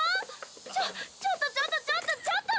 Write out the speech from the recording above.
「ちょっちょっとちょっとちょっとちょっと」